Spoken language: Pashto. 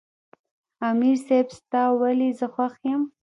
" امیر صېب ستا ولې زۀ خوښ یم" ـ